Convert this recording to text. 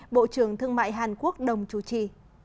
bộ trưởng thương mại hàn quốc đồng chủ trì